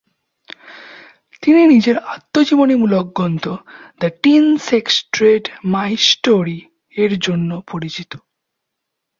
তিনি নিজের আত্মজীবনীমূলক গ্রন্থ "the tin sex trade: my story" এর জন্য পরিচিত।